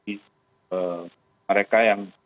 karena mereka yang